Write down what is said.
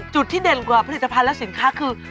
ที่เด่นกว่าผลิตภัณฑ์และสินค้าคือ